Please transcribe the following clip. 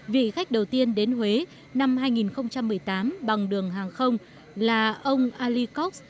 vị khách đầu tiên đến huế năm hai nghìn một mươi tám bằng đường hàng không là ông alikovs